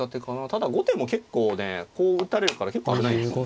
ただ後手も結構ねこう打たれるから結構危ないんですよ。